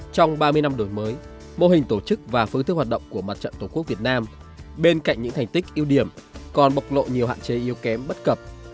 trong ba mươi năm đổi mới mô hình tổ chức và phương thức hoạt động của mặt trận tổ quốc việt nam bên cạnh những thành tích yêu điểm còn bộc lộ nhiều hạn chế yêu kém bất cập